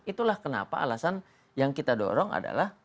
itulah kenapa alasan yang kita dorong adalah